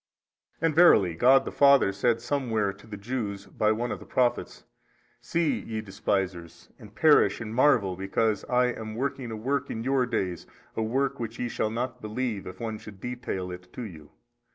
And verily God the Father said somewhere to the Jews by one of the Prophets, See ye despisers and perish and marvel because I am working a work in your days, a work which ye shall not believe if one should detail it to you.